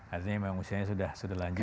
artinya memang usianya sudah lanjut